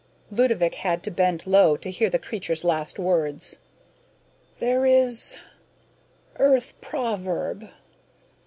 Ludovick had to bend low to hear the creature's last words: "There is ... Earth proverb